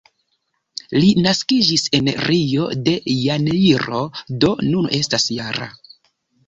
Li naskiĝis en Rio de Janeiro, do nun estas -jara.